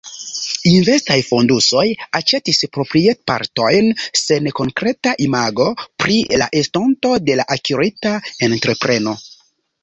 Investaj fondusoj aĉetis proprietpartojn sen konkreta imago pri la estonto de la akirita entrepreno.